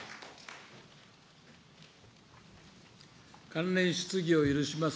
関連質疑を許します。